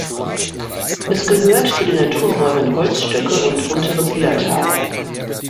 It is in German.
Es gehört zu den Naturräumen Holzstöcke und Unteres Illertal.